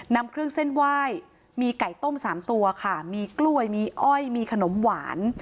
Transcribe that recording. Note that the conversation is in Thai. นำเครื่องเส้นไหว้มีไก่ต้ม๓ตัวค่ะมีกล้วยมีอ้อยมีขนมหวาน